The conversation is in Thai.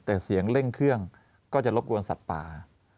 แต่เสียงเร่งเครื่องก็จะรบกวนสัตว์ป่า